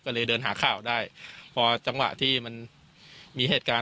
ก็เลยเดินหาข่าวได้พอจังหวะที่มันมีเหตุการณ์